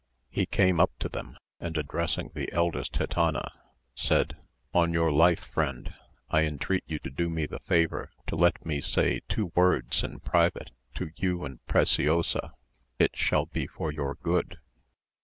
He came up to them, and addressing the eldest gitana, said, "On your life, friend, I entreat you do me the favour to let me say two words in private to you and Preciosa. It shall be for your good."